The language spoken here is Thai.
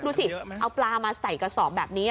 ดูสิเอาปลามาใส่กระสอบแบบนี้